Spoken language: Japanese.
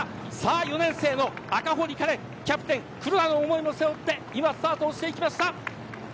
４年生の赤堀かりんキャプテン黒田の思いを背負ってスタートしました。